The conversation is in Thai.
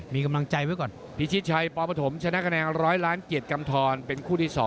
มีกำลังใจไว้ก่อน